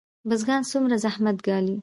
بزګران څومره زحمت ګالي؟